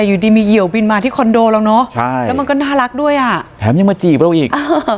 อยู่ดีมีเหี่ยวบินมาที่คอนโดเราเนอะใช่แล้วมันก็น่ารักด้วยอ่ะแถมยังมาจีบเราอีก